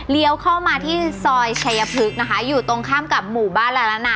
เบาเข้ามาที่ซอยแชยพลึกนะคะอยู่ตรงข้ามกับหมู่บ้านแล้วนะ